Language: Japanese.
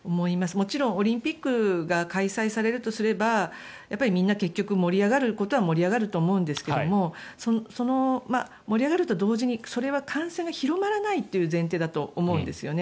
もちろんオリンピックが開催されるとすればみんな結局盛り上がることは盛り上がると思うんですけど盛り上がると同時にそれは感染が広まらないという前提だと思うんですよね。